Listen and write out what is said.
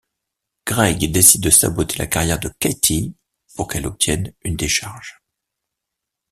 Greg décide de saboter la carrière de Katy pour qu'elle obtienne une décharge.